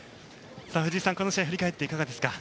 藤井さん、この試合を振り返っていかがですか。